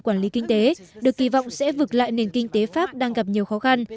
quản lý kinh tế được kỳ vọng sẽ vực lại nền kinh tế pháp đang gặp nhiều khó khăn